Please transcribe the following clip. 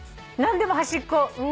何でも端っこ。